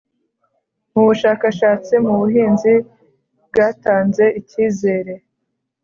mu bushakashatsi mu buhinzi bwatanze ikizere